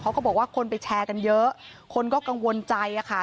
เขาก็บอกว่าคนไปแชร์กันเยอะคนก็กังวลใจอะค่ะ